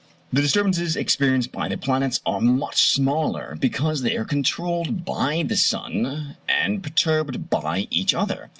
The disturbances experienced by the planets are much smaller, because they are controlled by the sun and perturbed by each other.